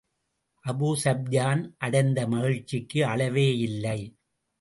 Abu Sufyan அடைந்த மகிழ்ச்சிக்கு அளவே இல்லை.